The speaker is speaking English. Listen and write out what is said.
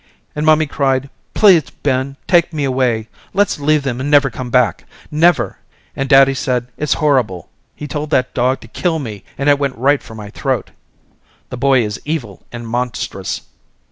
_ And mommy cried please, Ben, take me away, let's leave them and never come back, never, and daddy said it's horrible, he told that dog to kill me and it went right for my throat, the boy is evil and monstrous.